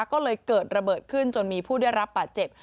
ก็เลยเกิดระเบิดขึ้นจนมีผู้ได้รับบาดเจ็บ